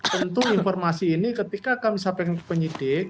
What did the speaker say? tentu informasi ini ketika kami sampaikan ke penyidik